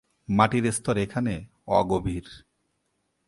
মাটির স্তর এখানে অগভীর।